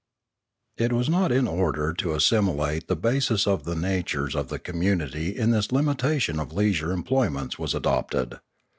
It was not in order to assimilate the bases of the na tures of the community that this limitation of leisure employments was adopted.